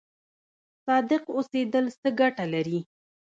صادق اوسیدل څه ګټه لري؟